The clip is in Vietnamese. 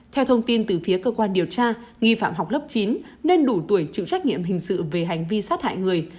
theo thông tin từ phía cơ quan điều tra nghi phạm học lớp chín nên đủ tuổi chịu trách nhiệm hình sự về hành vi sát hại người